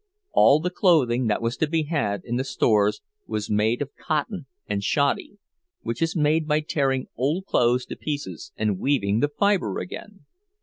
All the clothing that was to be had in the stores was made of cotton and shoddy, which is made by tearing old clothes to pieces and weaving the fiber again.